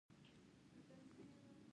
افغانستان د آمو سیند له مخې پېژندل کېږي.